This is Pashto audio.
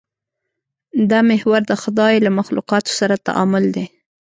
دا محور د خدای له مخلوقاتو سره تعامل دی.